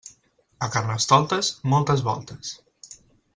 A Carnestoltes, moltes voltes.